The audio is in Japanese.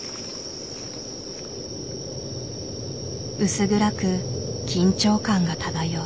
薄暗く緊張感が漂う。